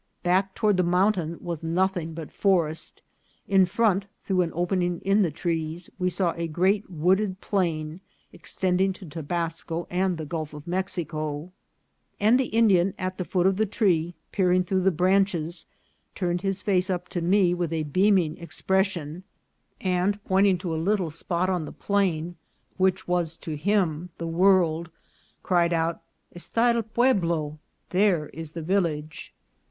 Back toward the mountain was nothing but forest ; in front, through an opening in the trees, we saw a great wood ed plain extending to Tobasco and the Gulf of Mexico ; and the Indian at the foot of the tree, peering through the branches, turned his face up to me with a beaming expression, and pointing to a little spot on the plain, which was to him the world, cried out, " esta el pue blo," " there is the village."